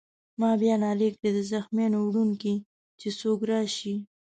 ما بیا نارې کړې: د زخمیانو وړونکی! چې څوک راشي.